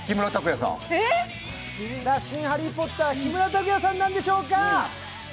さあ、新ハリー・ポッターは木村拓哉さんなんでしょうか？